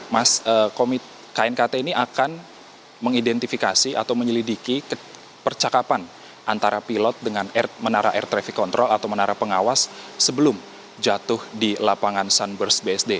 mas knkt ini akan mengidentifikasi atau menyelidiki percakapan antara pilot dengan menara air traffic control atau menara pengawas sebelum jatuh di lapangan sunburst bsd